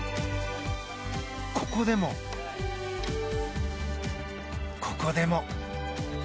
ここでも、ここでも。